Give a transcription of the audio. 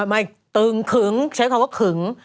ไม่ตึงขึงใช้คำว่าขึง